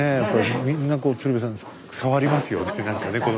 みんなこう鶴瓶さん触りますよねなんかねこの。